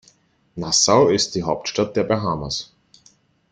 Nassau ist die Hauptstadt der Bahamas.